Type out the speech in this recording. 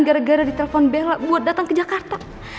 gara gara ditelepon bella buat datang ke jakarta